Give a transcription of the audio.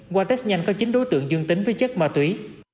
qua test nhanh có chín đối tượng dương tính với chất ma túy